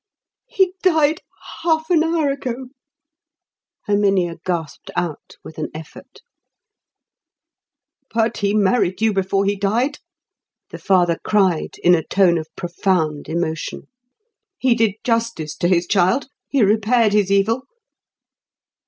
"He died half an hour ago," Herminia gasped out with an effort. "But he married you before he died?" the father cried, in a tone of profound emotion. "He did justice to his child?—he repaired his evil?"